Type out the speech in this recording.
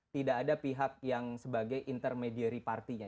tidak ada pihak yang sebagai intermediary partinya